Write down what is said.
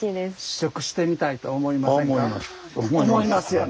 試食してみたいと思いませんか？